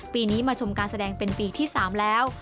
ปีนี้มาชมการแสดงเป็นปีที่๓แล้ว